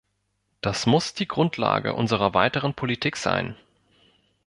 Das muss die Grundlage unserer weiteren Politik sein.